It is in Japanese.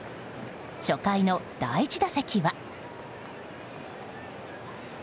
初回の第１打席は。